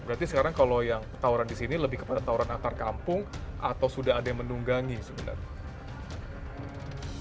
berarti sekarang kalau yang tawaran di sini lebih kepada tawuran antar kampung atau sudah ada yang menunggangi sebenarnya